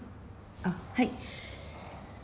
あっはい。